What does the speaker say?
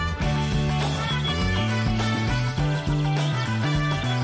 กระเศรษฐกรตัดสรรค์